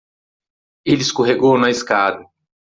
Ele escorregou na escada.